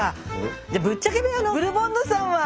じゃぶっちゃけ部屋のブルボンヌさんは？